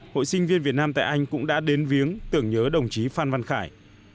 hội sinh viên việt nam tại anh cũng đã đến viếng tưởng nhớ đồng chí phan văn khải